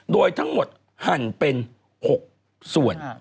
โดยทั้งหมดหั่นเป็น๖ส่วน